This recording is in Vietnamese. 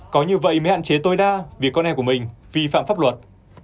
có như vậy mới hạn chế tối đa vì con em của mình vi phạm pháp luật